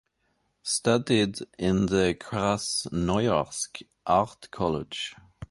Studied in the Krasnoyarsk art college.